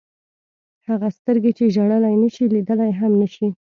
هغه سترګې چې ژړلی نه شي لیدلی هم نه شي.